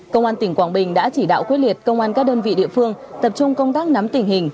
công an tỉnh quảng bình đã chỉ đạo quyết liệt công an các đơn vị địa phương tập trung công tác nắm tình hình